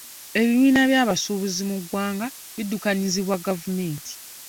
Ebibiina by’abasuubuzi mu ggwanga biddukanyizibwa gavumenti.